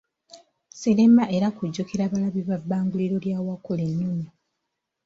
Sirema era kujjukira abalabi ba Bbanguliro lya Wakulennume.